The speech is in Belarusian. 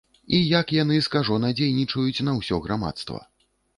І як яны скажона дзейнічаюць на ўсё грамадства.